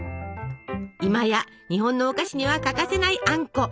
今や日本のお菓子には欠かせないあんこ。